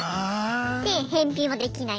で返品はできない。